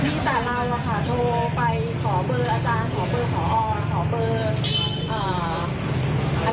นี้แต่เราอะทอไปขอเบอร์อาจารย์ขอเบอร์ขออนขอเบอร์อ่า